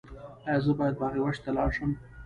ایا زه باید باغ وحش ته لاړ شم؟